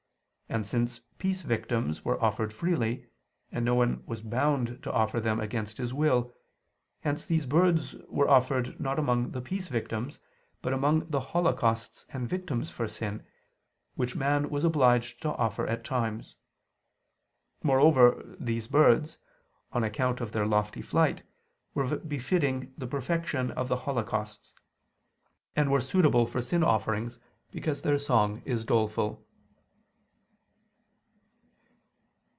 And since peace victims were offered freely, and no one was bound to offer them against his will, hence these birds were offered not among the peace victims, but among the holocausts and victims for sin, which man was obliged to offer at times. Moreover these birds, on account of their lofty flight, were befitting the perfection of the holocausts: and were suitable for sin offerings because their song is doleful.